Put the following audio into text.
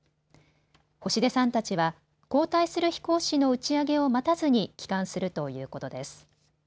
星出さんたちは交代する飛行士の打ち上げを待たずに帰還するということです。